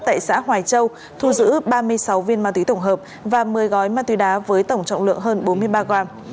tại xã hoài châu thu giữ ba mươi sáu viên ma túy tổng hợp và một mươi gói ma túy đá với tổng trọng lượng hơn bốn mươi ba gram